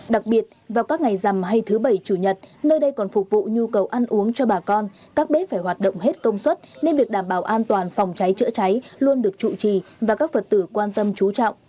đặc biệt vào các ngày rằm hay thứ bảy chủ nhật nơi đây còn phục vụ nhu cầu ăn uống cho bà con các bếp phải hoạt động hết công suất nên việc đảm bảo an toàn phòng cháy chữa cháy luôn được trụ trì và các phật tử quan tâm trú trọng